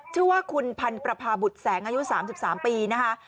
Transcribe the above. ชื่อว่าคุณพันประพาบุตรแสงอายุ๓๓ปีนะคะ